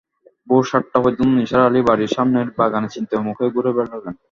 ভোর সাতটা পর্যন্ত নিসার আলি বাড়ির সামনের বাগানে চিন্তিত মুখে ঘুরে বেড়ালেন।